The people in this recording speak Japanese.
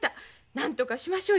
なんとかしましょう」